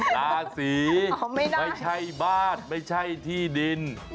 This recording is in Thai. ราศีไม่ใช่บ้านไม่ใช่ที่ดิน